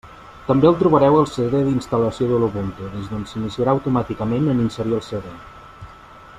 També el trobareu al CD d'instal·lació de l'Ubuntu, des d'on s'iniciarà automàticament en inserir el CD.